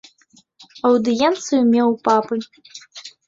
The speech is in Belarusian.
Аўдыенцыю меў у папы.